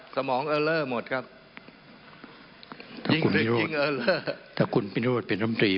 สมองเออเลอร์หมดครับถ้าคุณพิโรธถ้าคุณพิโรธเป็นรำตรี